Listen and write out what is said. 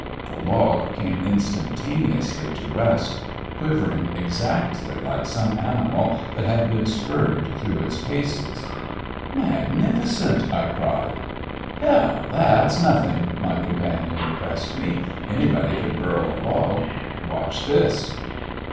The log came instantaneously to rest, quivering exactly like some animal that had been spurred through its paces. "Magnificent!" I cried. "Hell, that's nothing!" my companion repressed me, "anybody can birl a log. Watch this."